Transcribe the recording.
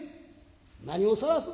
何をさらす」。